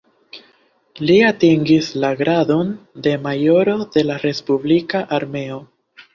Li atingis la gradon de majoro de la respublika armeo.